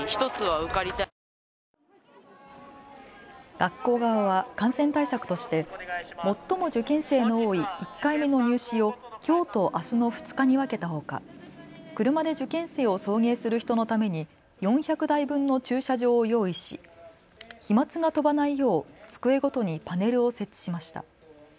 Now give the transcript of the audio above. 学校側は感染対策として最も受験生の多い１回目の入試をきょうとあすの２日に分けたほか、車で受験生を送迎する人のために４００台分の駐車場を用意し飛まつが飛ばないよう机ごとにパネルを設置しました。